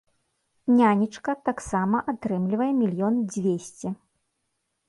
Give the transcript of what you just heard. Нянечка таксама атрымлівае мільён дзвесце.